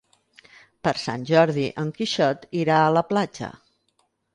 Per Sant Jordi en Quixot irà a la platja.